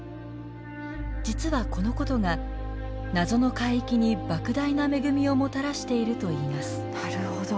実はこのことが謎の海域にばく大な恵みをもたらしているといいます。